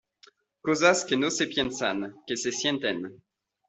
cosas que no se piensan, que se sienten.